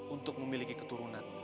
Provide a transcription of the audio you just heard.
untuk memiliki keturunan